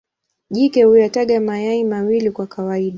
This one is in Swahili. Jike huyataga mayai mawili kwa kawaida.